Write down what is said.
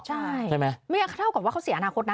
ใช่ไหมไม่งั้นเท่ากับว่าเขาเสียอนาคตนะ